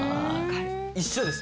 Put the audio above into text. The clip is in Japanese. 一緒です。